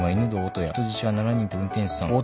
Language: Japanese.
人質は７人と運転手さん」